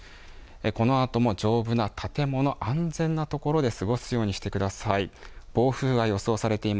このあとも丈夫な建物安全な所で過ごすようにしてください。